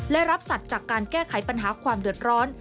และรับสัตว์จากการแก้ไขปัญหาความเดือดร้อน